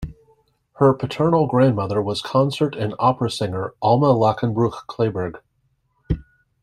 Her paternal grandmother was concert and opera singer Alma Lachenbruch Clayburgh.